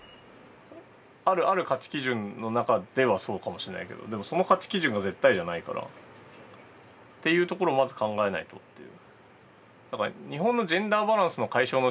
ある価値基準の中ではそうかもしれないけどでもその価値基準が絶対じゃないからっていうところをまず考えないとっていう。